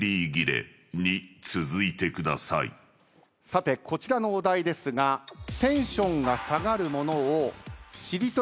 さてこちらのお題ですがテンションが下がるものをしりとり形。